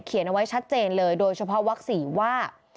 เอาไว้ชัดเจนเลยโดยเฉพาะวัก๔ว่า